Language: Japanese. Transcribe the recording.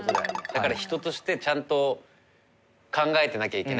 だから人としてちゃんと考えてなきゃいけないってことだよね。